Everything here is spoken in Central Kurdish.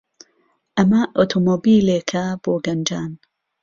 ئەمە ئۆتۆمۆبیلێکە بۆ گەنجان.